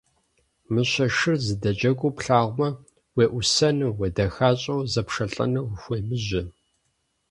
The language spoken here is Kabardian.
Мыщэ шыр зэдэджэгуу плъагъумэ, уеӀусэну, уедэхащӀэу зэпшэлӀэну ухуемыжьэ.